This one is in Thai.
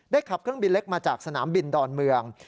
ขับเครื่องบินเล็กมาจากสนามบินดอนเมือง